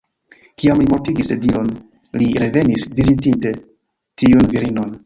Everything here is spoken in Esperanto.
Kiam li mortigis Sedilon, li revenis, vizitinte tiun virinon.